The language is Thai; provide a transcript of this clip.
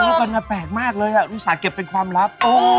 ก่อนแล้วกันว่าแปลกมากเลยอ่ะรู้สึกสามารถเป็นความลับ